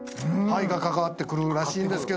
関わってくるらしいんですけど。